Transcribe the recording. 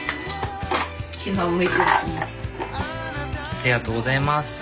ありがとうございます。